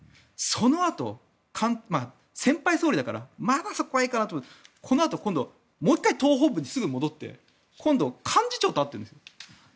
そのあと、先輩総理だからまだそこはいいかなと思うけどこのあと、党本部に戻って今度、幹事長と会ってるんです。